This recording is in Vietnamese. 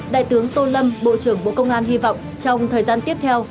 đại tướng tô lâm bộ trưởng bộ công an hy vọng trong thời gian tiếp theo